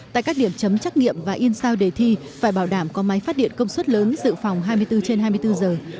tại các điểm chấm trắc nghiệm và in sao đề thi phải bảo đảm có máy phát điện công suất lớn dự phòng hai mươi bốn trên hai mươi bốn giờ